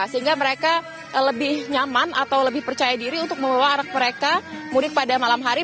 sehingga mereka lebih nyaman atau lebih percaya diri untuk membawa anak mereka mudik pada malam hari